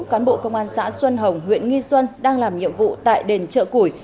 cán bộ công an xã xuân hồng huyện nghi xuân đang làm nhiệm vụ tại đền chợ củi